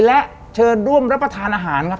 และเชิญร่วมรับประทานอาหารครับ